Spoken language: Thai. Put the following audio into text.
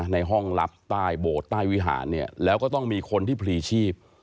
ในห้องลับใต้โบสถ์ใต้วิหารเนี่ยแล้วก็ต้องมีคนที่พลีชีพ